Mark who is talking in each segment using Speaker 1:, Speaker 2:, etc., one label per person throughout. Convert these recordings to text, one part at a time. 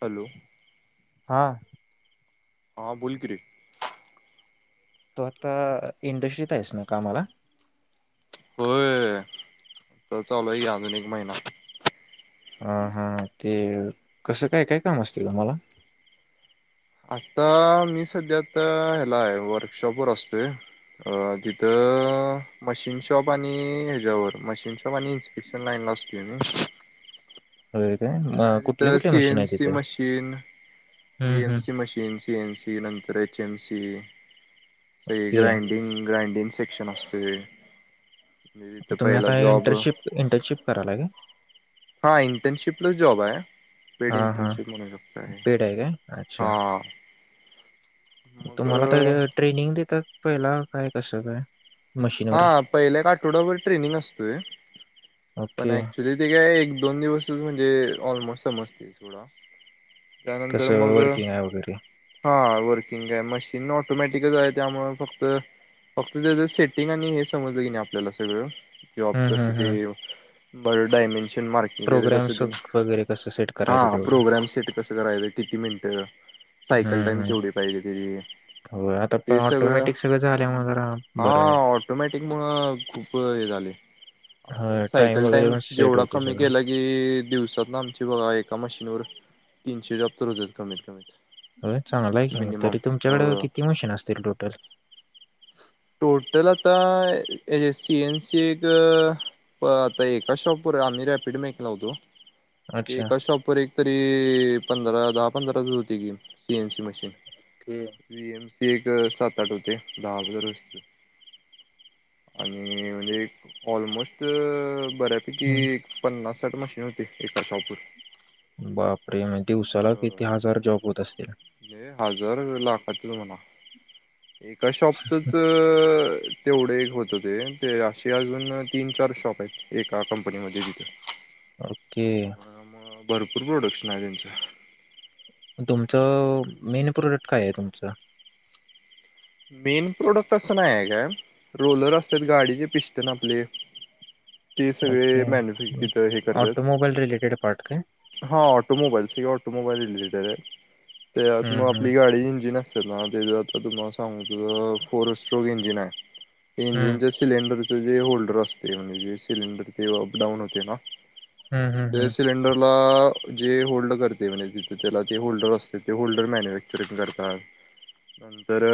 Speaker 1: Hello,
Speaker 2: हां,
Speaker 1: हा बोल कि रे.
Speaker 2: तो आता इंडस्ट्री हाईस नव्ह कामाला?
Speaker 1: होय तर चालू हाय की अजून एक महिना.
Speaker 2: हां, हां. ते कसं काय काय काम असतय तुम्हाला?
Speaker 1: आता मी सध्या आता ह्याला आहे, वर्कशॉपवर असतोय, तिथं मशीन शॉप आणि ह्याच्यावर मशीनशॉप आणि इन्स्पेक्शन लाईनला असतोय मी.
Speaker 2: होय म
Speaker 1: काय
Speaker 2: कुठले
Speaker 1: तिथं
Speaker 2: कुठले
Speaker 1: सी
Speaker 2: मशीन
Speaker 1: एन
Speaker 2: आहे
Speaker 1: सी
Speaker 2: तिथे
Speaker 1: मशीन,
Speaker 2: हम्म
Speaker 1: बी एम
Speaker 2: हम्म
Speaker 1: C machine, C N C नंतर एक टीम सी, सगळी
Speaker 2: ते
Speaker 1: ग्राईंडिंग ग्रैंडिंग सेक्शन असतय,
Speaker 2: तुम्ही आता इंटर्नशिप इंटर्नशिप करालाय काय?
Speaker 1: हा इंटर्नशिपलाच जॉब आहे
Speaker 2: हा हा
Speaker 1: पेडइंटनशिप म्हणू शकतोय
Speaker 2: पेड आहे काय अच्छा
Speaker 1: हा.
Speaker 2: तुम्हाला
Speaker 1: मग
Speaker 2: तर ट्रेनिंग देतात. पहिला काय कसं काय?
Speaker 1: हा
Speaker 2: मशीनवर
Speaker 1: पहिल्या काठोड्यावर ट्रेनिंग असतोय पण
Speaker 2: ओके
Speaker 1: ऍक्चुली ते काय, दोन दिवस म्हणजे ऑलमोस्ट समजतय थोडं
Speaker 2: कसं वर्किंग आहे वगैरे.
Speaker 1: हा वर्किंग मशीन ऑटोमॅटिकच आहे यामुळे फक्त फक्त सेटिंग. सेटिंग आणि हे समजलं की नाही आपल्याला सगळं ते
Speaker 2: हम्म
Speaker 1: ऑपला अस
Speaker 2: हम्म हम्म
Speaker 1: ते बर्ड डायमंड ची मार्किंग च कस
Speaker 2: प्रोग्राम्स
Speaker 1: तेन
Speaker 2: वगैरे कसं सेट करायचं
Speaker 1: हा
Speaker 2: तेवढं
Speaker 1: प्रोग्राम सेट कसं कराय किती मिनटं
Speaker 2: हम्म हम् हो आता प ऑटोमॅटिक सगळ झालं म्हणून जरा. बरं
Speaker 1: हां
Speaker 2: आहे
Speaker 1: ऑटोमॅटिक मग खूप हे झाले आणि
Speaker 2: होय टाइम
Speaker 1: सायकल
Speaker 2: वगैरे
Speaker 1: टाईम
Speaker 2: पण सेट
Speaker 1: जेवढा
Speaker 2: होते
Speaker 1: कमी
Speaker 2: सगळं
Speaker 1: केला की दिवसात ना आमची बघा एका मशीनवर. तीनशे जॉब तर होत्यात कमीत कमी
Speaker 2: हो चांगल आहे कि मग तरी तुमच्याकडे किती मशीन असतील टोटल.
Speaker 1: टोटल आता सीएनसी एक होय आता एका शॉप वर आम्ही रॅपिड मेकला. होतो तेथे
Speaker 2: अच्छा
Speaker 1: एका शॉपवर एक तरी पंधरा दहा पंधराच होती की सी एन सी मशीन
Speaker 2: ते
Speaker 1: वी एम सी एक अ सात आठ होते दहा वजर रते आणि म्हणजे एक ऑलमोस्ट बऱ्यापैकी
Speaker 2: हम्म
Speaker 1: पन्नास त्यात मशीन होते एका शॉपवर
Speaker 2: बापरे म दिवसाला किती हजार जॉब होत असतील?
Speaker 1: जर वेळेला कात म्हणा एका शॉपचच अ तेवढे होत ते ते असे अजून तीन चार शॉप आहेत एका कंपनीमध्येध्ये जिथे
Speaker 2: ओके
Speaker 1: भरपूर प्रोडक्टसन आहे त्यानंच
Speaker 2: तुमचं मेन प्रोडक्ट काय आहे तुमचं.
Speaker 1: मेन प्रोडक्ट असं नाही काय काय रोलर असतात गाडीचे पिस्तन आपले. ते सगळे
Speaker 2: ओके
Speaker 1: मॅन्युफॅक्चर हे
Speaker 2: ऑटोमोबाईल रिलेटेड पार्ट काय
Speaker 1: करतात हां ऑटोमोबाईल्स हे ऑटोमोबाईल रिलेटेड आहे. ते मग
Speaker 2: हम्म हम्म
Speaker 1: आपली गाडी इंजिन असतय ना ते जात्याती माग फोरेस्ट्रो इंजिन आहे
Speaker 2: हम्म
Speaker 1: इंजिनच्या सिलेंडर जे होल्डर असते म्हणजे जे सिलेंडर ते अप डाऊन होते ना
Speaker 2: हम्म हम्म
Speaker 1: ते
Speaker 2: हम्म
Speaker 1: सिलेंडरला जे होल्ड करते जे होल्डर असते ते होल्डर मॅगरेटिंग करतात तर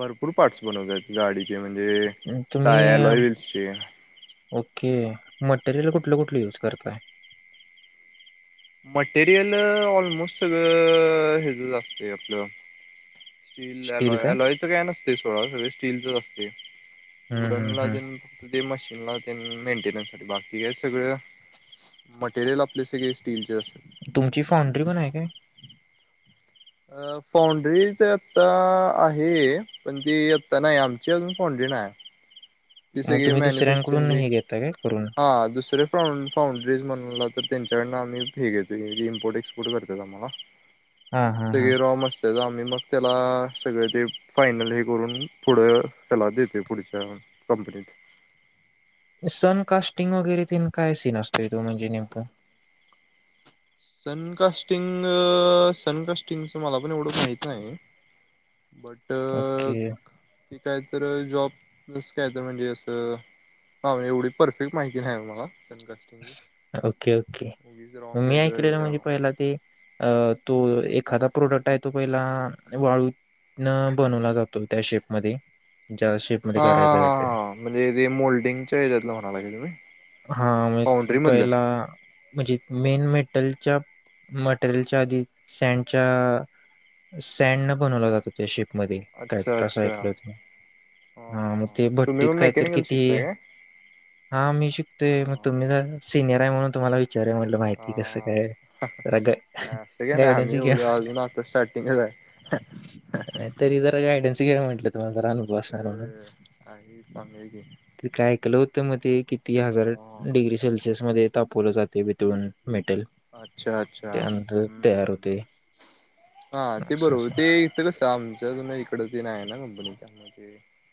Speaker 1: भरपूर पार्टस बनवतात गाडीचे म्हणजे
Speaker 2: हम्म तुम्ही अ,
Speaker 1: टायलॉ विल्सची
Speaker 2: ओके मटेरियल कुठलं कुठलं युज करताय
Speaker 1: मटेरियल ऑलमोस्ट सगळं हेच च असतय आपलं चीन ला लोयाला इथं काय नसत ते सोळा सगळे स्टीलच असते
Speaker 2: हम्म
Speaker 1: उडन
Speaker 2: हम्म
Speaker 1: ला
Speaker 2: हम्म
Speaker 1: जे फक्त मशीन ला मेंटेन्स ला हे सगळ मटेरियल आपले सगळे स्टील
Speaker 2: तुमची फाउंड्री पण आहे काय
Speaker 1: अ फोंन्ड्री तर आता आहे पण ती आता नाही आमची अजून फोंन्ड्री नाही ती
Speaker 2: मग
Speaker 1: सगळी
Speaker 2: तुम्ही दुसऱ्यांकडून
Speaker 1: मॅन्युफॅक्चरिंग
Speaker 2: नाही घेता का
Speaker 1: हा दुसरे फा फाउंन्ड्रीज म्हणलात तर त्यांच्याकडंन आम्ही हे घेतोे इम्पोर्ट एक्सपोर्ट करतात आम्हाला
Speaker 2: हा हा हा
Speaker 1: सगळे रॉम असते जा आम्ही मग त्याला सगळे ते फायनल हे करून पुढं त्याला देते पुढच्या कंपनीत
Speaker 2: सनकास्टिंग वगैरे ते काय सीन असतोय तो म्हणजे नेमक
Speaker 1: सनकास्टिंग सनकास्टिंगच मला पण एवढं माहीत नाही बट
Speaker 2: ओके
Speaker 1: की काय तर जॉब प्लस काय तर म्हणजे असं ह एवढी परफेक्ट माहिती नाही मला सनकास्टिंगची
Speaker 2: ओके ओके
Speaker 1: उगीच
Speaker 2: मग
Speaker 1: रॉंग
Speaker 2: मी
Speaker 1: काय
Speaker 2: ऐकलेलं म्हणजे
Speaker 1: तर
Speaker 2: पहिला ते अ तो एखादा प्रोडक्ट आहे तो पहिला वाळून बनवला जातो त्या शेपमध्ये ज्या शेपमध्ये
Speaker 1: हा हा
Speaker 2: करायचा आहे
Speaker 1: हा
Speaker 2: ते
Speaker 1: हा म्हणजे ते मोल्डिंगच्या आहे त्यातलं म्हणालाय का तुम्ही
Speaker 2: हा मग
Speaker 1: मधलं
Speaker 2: पहिला म्हणजे मेन मेटलच्या मटेरियलच्या आधी सँडच्या सँड न बनवलं जात हो त्या शिप मध्ये
Speaker 1: अच्छा
Speaker 2: कायतर असं
Speaker 1: अच्छा हा
Speaker 2: ऐकलं होत हा मग ते
Speaker 1: तुम्ही
Speaker 2: भट्टीत
Speaker 1: मग
Speaker 2: कायतरी
Speaker 1: मेकॅनिकल
Speaker 2: किती
Speaker 1: शिकताय काय
Speaker 2: हा मी शिकतोय मग
Speaker 1: हा
Speaker 2: तुम्ही जर सिनिअर आहे म्हणुन तुम्हाला विचाराव म्हटलं माहिती कसं
Speaker 1: हा
Speaker 2: काय जरा
Speaker 1: हा असं काय नाही
Speaker 2: गायडन्स
Speaker 1: आम्ही
Speaker 2: घ्यावं
Speaker 1: एवढं अजून आता स्टार्टिंगच आहे
Speaker 2: म्हटलं तरी जरा गायडन्स [unintelligible] म्हटलं तर रान
Speaker 1: अ आहे चांगलं की
Speaker 2: [unintelligible] काय ऐकलं होतं मधे की ती या जरल
Speaker 1: हा
Speaker 2: डिग्री सेल फिस मधे थांब पोर जातील [unintelligible]
Speaker 1: अच्छा अच्छा हम्म
Speaker 2: तयार
Speaker 1: हम्
Speaker 2: होते
Speaker 1: हा ते
Speaker 2: असं
Speaker 1: बरोबर
Speaker 2: असं
Speaker 1: ते इथं कस आमच्यान इकड ते नाही ना [unintelligible]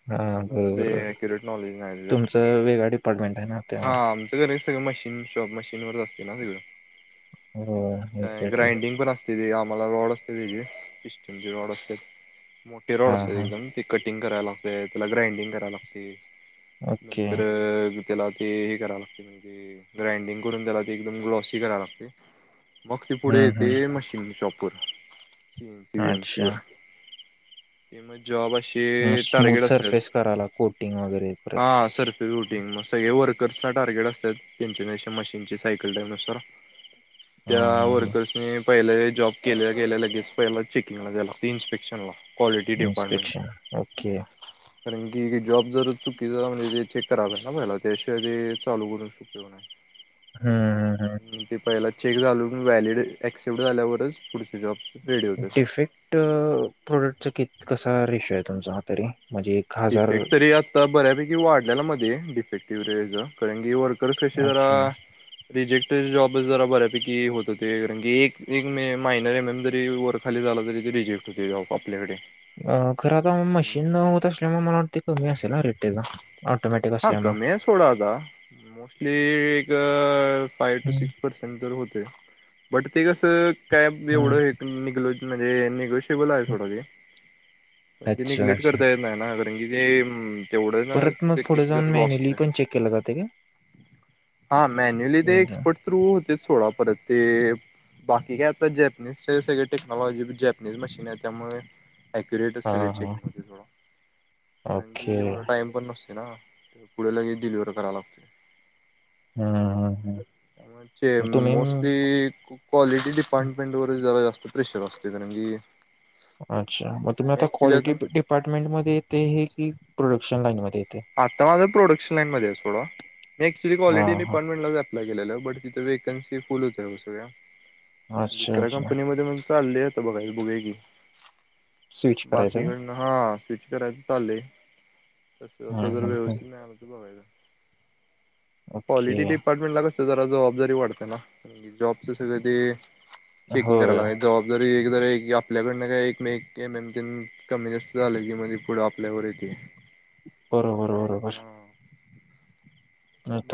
Speaker 2: हा
Speaker 1: प्लस ते
Speaker 2: बरोबर,
Speaker 1: ॲक्युरेट नॉलेज नाही त्याचं
Speaker 2: तुमच वेगळ डिपार्टमेंट आहे ना?
Speaker 1: हा
Speaker 2: त्यामुळे
Speaker 1: आमचंडे ते सगळं मशीन शॉप मशीनवर असतेना वेगळं
Speaker 2: हो
Speaker 1: ए
Speaker 2: एक्झॅक्टली
Speaker 1: ग्राइंडिंग पण असते ते आम्हाला अलाऊड असते तिथे इस इंजि रॉड असतेत मोठ्ठे रॉड
Speaker 2: हा
Speaker 1: असता
Speaker 2: हा
Speaker 1: एकदम तिकट गराय लागतय त्याला ग्रांडिंग कराव लागते
Speaker 2: ओके
Speaker 1: नंतर त्याला ते हे कराव लागते म्हणजे ग्राइंडिंग करून त्याला ते एकदम ग्लॉसी कराव लागते मग ते पुढे
Speaker 2: हम्म
Speaker 1: येते
Speaker 2: हम्म
Speaker 1: मशीन शॉप [unintelligible] सिनसीवेन
Speaker 2: अच्छा
Speaker 1: शिवर ते म जॉब ऐ
Speaker 2: अ स्मूथ सरफेस करायला कोटिंग वगैरे परत
Speaker 1: ही मस् सगळे वर्कर्सना टार्गेट असत्यात त्यांच्यानश मशीनची सायकल टाईम नुसार
Speaker 2: हा
Speaker 1: त्या
Speaker 2: हा हा
Speaker 1: वर्कर्सनी पहिले जॉब केल्या गेल्या लगेच पहिलं चेकिंगला द्यायला इन्स्पेक्शन ला
Speaker 2: इन्स्पेक्शन ओके
Speaker 1: कारण की एकेक जॉब जर चुकी [unintelligible] जे ते चेक करावं ना पहिला त्याच्याआधी चालू बोलून उपयोग नाही
Speaker 2: हम्म हम्म हम्
Speaker 1: ते पहिला चेक झालू की व्हॅलिड ॲक्सेप्ट झाल्यावरच पुढचे जॉब रेडी होते
Speaker 2: डिफेक्ट अ प्रोडक्टचकीत कसा रेशो आहे तुमचा हा तरी? म्हणजे
Speaker 1: डफेक्ट तरी आता बऱ्या पैकी वाढलेला मधे डिफेटेक्टिव रेज जा कळेनगीवर खर कशी जरा
Speaker 2: अच्छा.
Speaker 1: रिजेक् ते जॉबच जरा बऱ्यापैकी होत होते कारण की एक दिग मे महिनर नंतरही वरखाली झाला तरी ते रिजेक्ट होते जॉब आपल्याकडे
Speaker 2: अ खरं आता मशीन होत असल्यामुळे मला ते कमी असेला
Speaker 1: हा कमी सोडा आता मोस्टली अ [unintelligible] फाईव्ह टू
Speaker 2: हं,
Speaker 1: सिक्स पर्सन दर होतंय. बट ते कसं काय
Speaker 2: हं,
Speaker 1: एवढं हे निघत म्हणजे [unintelligible] [unintelligible] आहे
Speaker 2: हं.
Speaker 1: सोडा ते पण ते
Speaker 2: अच्छा,
Speaker 1: निग्लेक्ट
Speaker 2: अच्छा.
Speaker 1: करता येत नाही. अ [unintelligible] तेवढं ना
Speaker 2: परत मग
Speaker 1: ते
Speaker 2: पुढे
Speaker 1: किती
Speaker 2: जाऊन
Speaker 1: तरी लॉस
Speaker 2: मॅन्युअली
Speaker 1: होतंय,
Speaker 2: पण चेक केलं जाते का?
Speaker 1: हा मॅन्युअली ते
Speaker 2: हं,
Speaker 1: एक्सपर्ट थ्रू होत्यात सोडा परत ते बाकी काय आता [unintelligible] सगळे टेक्नॉलॉजी जॅपनीज मशीन आहेत त्यामुळे क्युरेटच सगळे
Speaker 2: हां, हां.
Speaker 1: चेकिंग होते सोडा कारण
Speaker 2: ओके.
Speaker 1: की [unintelligible] पुढेला हे डिलिव्हर करायला लागते.
Speaker 2: हम्ं हम्ं हम्ं
Speaker 1: म्हणजे मोस्टली क्वालिटी डिपार्टमेंट वर जरा [unintelligible] असते कारण की
Speaker 2: अच्छा! मग तुम्ही
Speaker 1: मी
Speaker 2: आता
Speaker 1: ऍक्च्युली
Speaker 2: क्वालिटी डिपार्टमेंट मध्ये ते हे की प्रोडक्शन येते?
Speaker 1: आता माझं प्रोडक्शन लाईन मध्ये आहे सोड मी क्च्युअली
Speaker 2: हां,
Speaker 1: कॉलेटी
Speaker 2: हां.
Speaker 1: डिपार्टमेंट ला गेलेलं बट तिथं वेकन्सी फुल होत्या सगळ्या
Speaker 2: अच्छा,
Speaker 1: दुसऱ्या
Speaker 2: अच्छा.
Speaker 1: कंपनीमध्ये चालल्या आता बघायचं बघूया की
Speaker 2: स्विच करायचं
Speaker 1: बाकी [unintelligible]
Speaker 2: का?
Speaker 1: करायचं चाललंय. आता
Speaker 2: हं
Speaker 1: तर
Speaker 2: हं हं.
Speaker 1: व्यवस्थित नाही [inaudible]
Speaker 2: ओके
Speaker 1: पॉलिटी डिपार्टमेंटला आता जरा जबाबदारी वाढतीय ना कारण जॉबचं सगळं ते चेकिंग
Speaker 2: होय.
Speaker 1: करायला जबाबदारी आपल्याकडनं का एक एम - एम तेनं कमी जास्त झालं की म्हणजे पुढं आपल्यावर येथे -
Speaker 2: बरोबर -बरोबर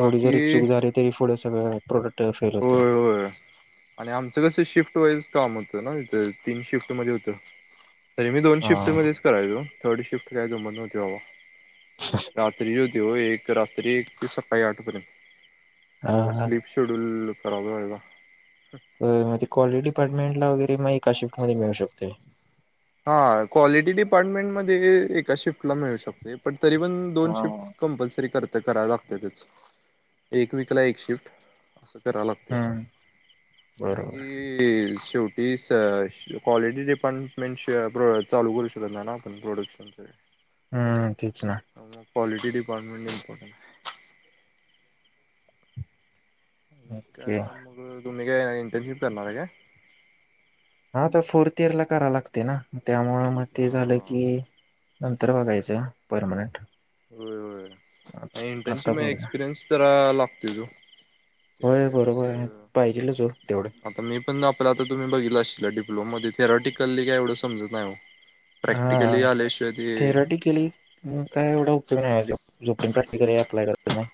Speaker 2: थोडी जरी चूक झाली तरी पुढं सगळं फेल होते.
Speaker 1: होय होय आणि आमचं कसं शिफ्ट वाईज काम होतं ना तिथं तीन शिफ्ट मध्ये होत तरी मी दोन
Speaker 2: हा
Speaker 1: शिफ्ट मध्येच करायचो थर्ड शिफ्ट [unintelligible] रात्रीची होती ओ एक रात्री एक ते सकाळी आठ पर्यंत
Speaker 2: हा
Speaker 1: सगळं
Speaker 2: हा
Speaker 1: स्लीप शूट खराब होयला
Speaker 2: अ म्हणजे कॉलिटी डपार्टमें ला वगैरे ते मग एका शिफ्टमध्ये मिळू शकते
Speaker 1: हा क्वालिटी डिपार्टमेंट मध्ये हे एका शिफ्टला मिळू शकते पण तरी पण दोन शिफ्ट
Speaker 2: हम्म
Speaker 1: कंपल्सरी करत तर करावं लागत्यातचं एक वीकला एक शिफ्ट असं कराय लागतंय कारण
Speaker 2: बरोबर
Speaker 1: की शेव हीचं क्वालिटी डिपार्टमें मेनशो अ ब चालू करू शकत नाही ना आपण प्रोडक्शन ते
Speaker 2: हम्म तेचं ना
Speaker 1: क्वालिटी डिपार्टमेंट इमपॉर्टंट आहे.
Speaker 2: ओके.
Speaker 1: काय मग मी काय इंटर्नशिप करणार आहे काय?
Speaker 2: हा त्या फोर्थ इयर ला करायं लागतंय ना त्यामुळं मग ते झालं
Speaker 1: हा
Speaker 2: की नंतर बघायचं पर्मनंट
Speaker 1: होय होय.
Speaker 2: आता
Speaker 1: इंटर्नशिप
Speaker 2: बघ
Speaker 1: एक्सपिरियनस तर करा लागतोय तो
Speaker 2: होय
Speaker 1: त्याशिवाय
Speaker 2: बरोबर आहे
Speaker 1: कसं
Speaker 2: पाहिजेलचं ओ तेवढं
Speaker 1: आता मी पण आपला आता तुम्ही बघितलं अशिलां डिप्लोमामध्ये थेराटिकली का एवढं समजत नाही ओ
Speaker 2: हा थेराटी केली मग काय एवढा उपयोग नाही जाॅब जो पर्यंत प्रॅक्टिकल आहे अप्लाय करायचं नाही.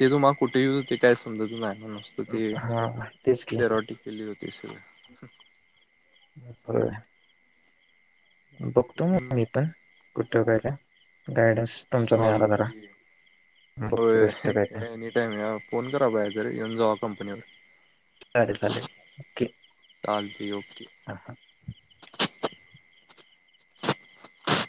Speaker 1: ते तुम्हाला कुठेही येऊ देत काय समजत नाही मनस्तुती
Speaker 2: हा तेच की
Speaker 1: थेराॉटीकली होती ते सगळं
Speaker 2: [unintelligible] बघतो मग
Speaker 1: त्यामुळं
Speaker 2: मी पण कुठं काय काय गायडन्स. तुमचा मिळाला
Speaker 1: चालतय
Speaker 2: जरा
Speaker 1: की होय
Speaker 2: बघतो कसं काय काय
Speaker 1: एनी टाईम या फोन करा बाहे तर येऊन जावा. कंपनी वर.
Speaker 2: चालेल, चालेल, ओके.
Speaker 1: चालते ओके हां
Speaker 2: हा. हा.
Speaker 1: [inaudible]